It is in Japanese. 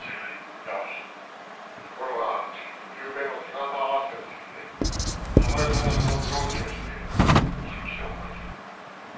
いやところが夕べの手形合わせの席で珠世さんがそのブローチをしているのをはっきり覚えてる。